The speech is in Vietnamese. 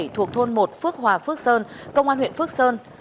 thuộc thôn một phước hòa phước sơn công an huyện phước sơn